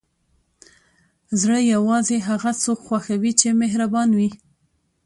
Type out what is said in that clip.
زړه یوازې هغه څوک خوښوي چې مهربان وي.